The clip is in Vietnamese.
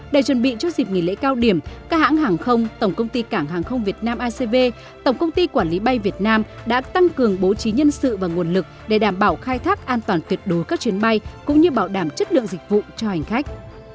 để chuẩn bị cho dịp nghỉ lễ cao điểm các hãng hàng không tổng công ty cảng hàng không việt nam acv tổng công ty quản lý bay việt nam đã tăng cường bố trí nhân sự và nguồn lực để đảm bảo khai thác an toàn tuyệt đối các chuyến bay cũng như bảo đảm chất lượng dịch vụ cho hành khách